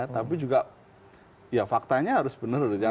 tapi juga ya faktanya harus benar